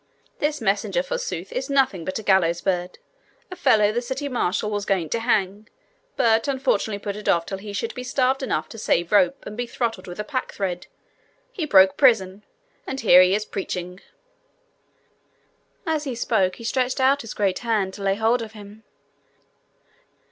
This messenger, forsooth, is nothing but a gallows bird a fellow the city marshal was going to hang, but unfortunately put it off till he should be starved enough to save rope and be throttled with a pack thread. He broke prison, and here he is preaching!' As he spoke, he stretched out his great hand to lay hold of him.